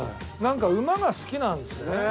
馬が好きなんですね。